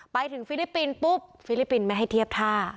ฟิลิปปินส์ปุ๊บฟิลิปปินส์ไม่ให้เทียบท่า